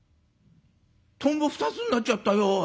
トンボ二つになっちゃったよおい。